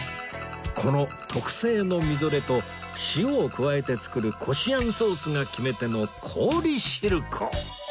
この特製のみぞれと塩を加えて作るこしあんソースが決め手の氷しるこ